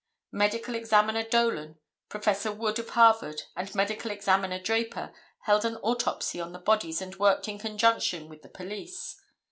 Medical Examiner Dolan, Prof. Wood of Harvard and Medical Examiner Draper held an autopsy on the bodies and worked in conjunction with the police.